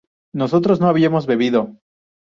¿nosotros no habíamos bebido?